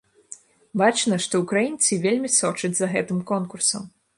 Бачна, што ўкраінцы вельмі сочаць за гэтым конкурсам.